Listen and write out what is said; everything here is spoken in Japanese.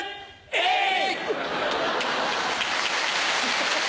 えい！